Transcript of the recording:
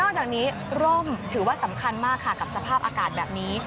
จากนี้ร่มถือว่าสำคัญมากค่ะกับสภาพอากาศแบบนี้